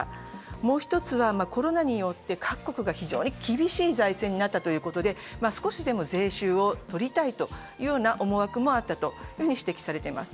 もう一つは、コロナによって各国が非常に厳しい財政になったということで少しでも税収を取りたいというような思惑もあったと指摘されています。